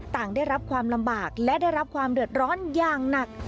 ต่างได้รับความลำบากและได้รับความเดือดร้อนอย่างหนัก